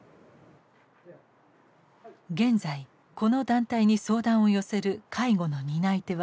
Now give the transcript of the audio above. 現在この団体に相談を寄せる介護の担い手は多くが実の家族。